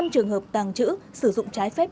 năm trường hợp tàng trữ sử dụng trái phép